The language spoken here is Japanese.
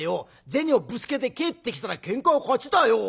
銭をぶつけて帰ってきたらケンカは勝ちだよ。